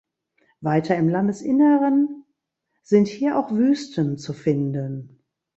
Weiter im Landesinneren sind hier auch Wüsten zu finden.